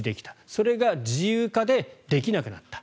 それが自由化でできなくなった。